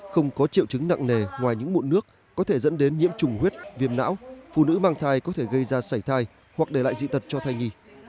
không có triệu chứng nặng nề ngoài những mụn nước có thể dẫn đến nhiễm trùng huyết viêm não phụ nữ mang thai có thể gây ra sảy thai hoặc để lại dị tật cho thai nhi